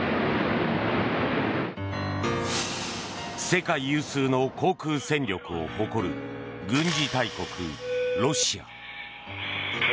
世界有数の航空戦力を誇る軍事大国ロシア。